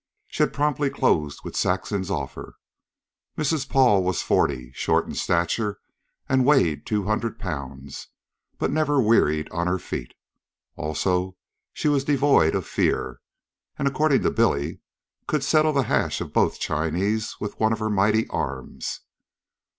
She had promptly closed with Saxon's offer. Mrs. Paul was forty, short in stature, and weighed two hundred pounds, but never wearied on her feet. Also she was devoid of fear, and, according to Billy, could settle the hash of both Chinese with one of her mighty arms.